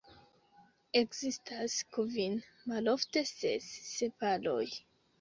Ekzistas kvin (malofte ses) sepaloj.